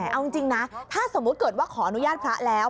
แต่เอาจริงนะถ้าสมมุติเกิดว่าขออนุญาตพระแล้ว